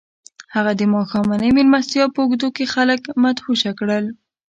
هغه د ماښامنۍ مېلمستیا په اوږدو کې خلک مدهوشه کړل